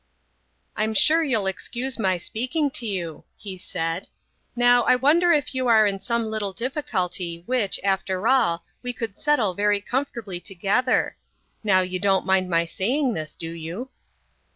"I'm sure you'll excuse my speaking to you," he said. "Now, I wonder if you are in some little difficulty which, after all, we could settle very comfortably together? Now, you don't mind my saying this, do you?"